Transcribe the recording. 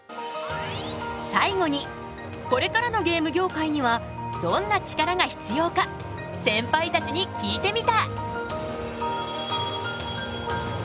最後にこれからのゲーム業界にはどんなチカラが必要かセンパイたちに聞いてみた！